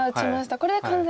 これで完全に。